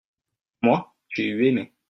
moi, j'ai eu aimé.